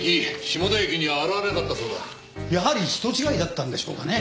やはり人違いだったんでしょうかね？